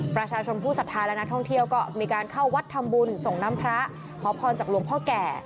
ประชาชนผู้สัทธาและนักท่องเที่ยวก็มีการเข้าวัดทำบุญส่งน้ำพระขอพรจากหลวงพ่อแก่